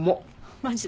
マジで？